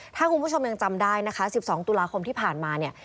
ถ้าคุณผู้ชมยังจำได้นะคะ๑๒ตุลาคมที่ผ่านมาเนี่ย